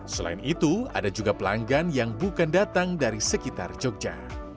selain itu ada juga pelanggan yang bukan datang dari sekitar jogja